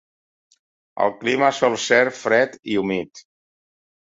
El clima sol ser fred i humit.